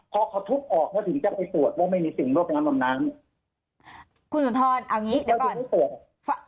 เพราะเขาทุบออกเพราะถึงจะไปตรวจว่าไม่มีสิ่งโรคงานบำน้ำ